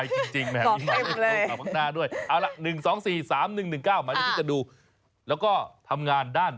คุณบอกเบอร์โทรเข้าไปเลยนะคะ